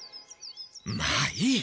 まあいい。